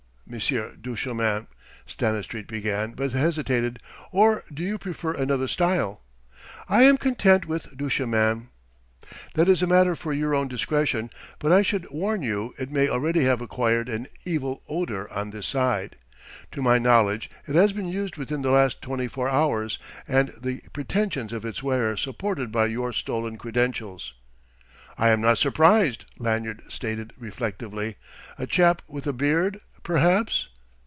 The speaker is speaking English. Monsieur Duchemin," Stanistreet began, but hesitated "or do you prefer another style?" "I am content with Duchemin." "That is a matter for your own discretion, but I should warn you it may already have acquired an evil odour on this side. To my knowledge it has been used within the last twenty four hours, and the pretensions of its wearer supported by your stolen credentials." "I am not surprised," Lanyard stated reflectively. "A chap with a beard, perhaps?"